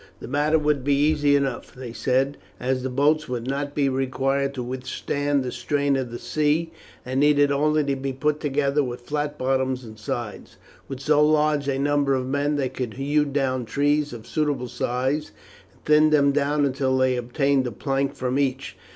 The matter would be easy enough, they said, as the boats would not be required to withstand the strain of the sea, and needed only to be put together with flat bottoms and sides. With so large a number of men they could hew down trees of suitable size, and thin them down until they obtained a plank from each.